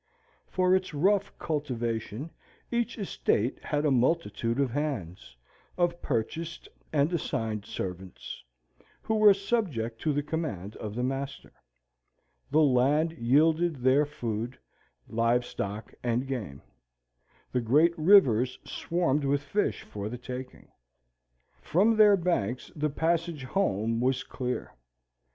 For its rough cultivation, each estate had a multitude of hands of purchased and assigned servants who were subject to the command of the master. The land yielded their food, live stock, and game. The great rivers swarmed with fish for the taking. From their banks the passage home was clear.